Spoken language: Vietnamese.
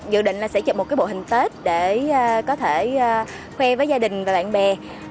dự định sẽ chụp một bộ hình tết để có thể khoe với gia đình và bạn bè